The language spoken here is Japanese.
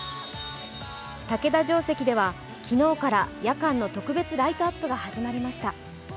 竹田城跡では昨日から夜間の特別ライトアップが始まりました。